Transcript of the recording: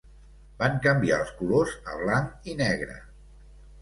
Van canviar els colors a blanc i negre.